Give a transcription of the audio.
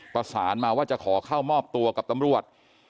ประสานมาว่าจะขอเข้ามอบตัวกับตำรวจ